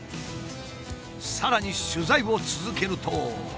さらに取材を続けると。